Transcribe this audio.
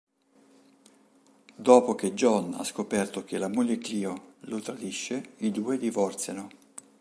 Dopo che John ha scoperto che la moglie Cleo lo tradisce, i due divorziano.